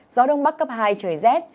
gió đông bắc cấp hai trời rét